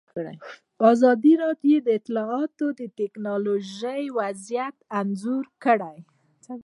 ازادي راډیو د اطلاعاتی تکنالوژي وضعیت انځور کړی.